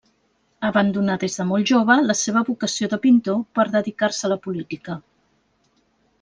Abandonà des de molt jove la seva vocació de pintor per dedicar-se a la política.